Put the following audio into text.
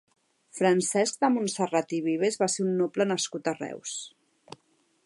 Francesc de Montserrat i Vives va ser un noble nascut a Reus.